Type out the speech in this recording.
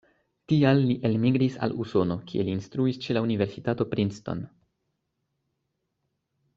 Tial li elmigris al Usono, kie li instruis ĉe la universitato Princeton.